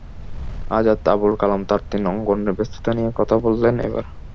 আজাদ আবুল কালাম তাঁর তিন অঙ্গনের ব্যস্ততা নিয়েই কথা বললেন এবার।